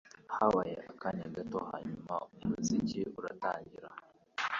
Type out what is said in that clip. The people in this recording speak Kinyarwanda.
Habaye akanya gato hanyuma umuziki uratangira.